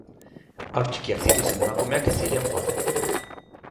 Haur txikiak zituzten emakumeak ez ziren joaten.